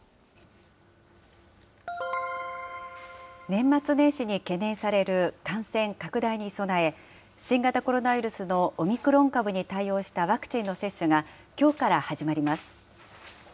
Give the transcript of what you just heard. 年末年始に懸念される感染拡大に備え、新型コロナウイルスのオミクロン株に対応したワクチンの接種がきょうから始まります。